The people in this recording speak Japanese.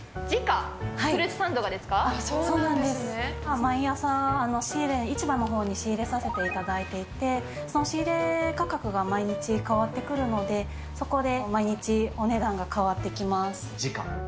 毎朝仕入れ、市場のほうに仕入れさせていただいていて、その仕入れ価格が毎日変わってくるので、そこで毎日、お値段が変わってき時価。